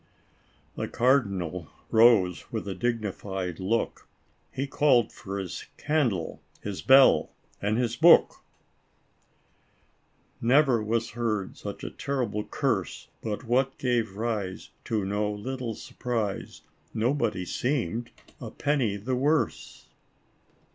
\'" The Cardinal rose with a dignified look, He called for his candle, his bell and his book !Never was heard such a terrible curse. But, what gave rise To no little surprise. Nobody seemed a penny the worse